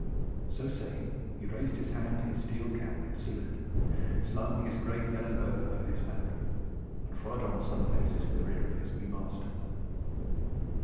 So saying he raised his hand to his steel cap in salute, slung his great yellow bow over his back, and followed on some paces in the rear of his new master.